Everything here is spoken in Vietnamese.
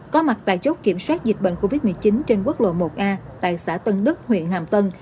có mặt tại chốt kiểm soát dịch bệnh covid một mươi chín trên quốc lộ một a tại xã tân đức huyện hàm tân